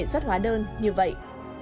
xuất hóa đơn như vậy